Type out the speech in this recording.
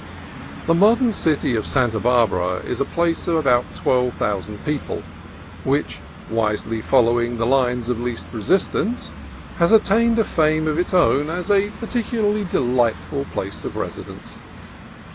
The modern city of Santa Barbara is a place of about SANTA BARBARA 85 twelve thousand people, which, wisely following the lines of least resistance, has attained a fame of its own as a particularly delightful place of residence.